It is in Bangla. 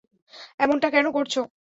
এমনটা কেন করছো?